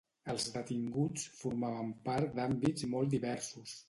Els detinguts formaven part d’àmbits molt diversos.